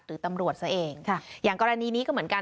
หรือตำรวจซะเองค่ะอย่างกรณีนี้ก็เหมือนกัน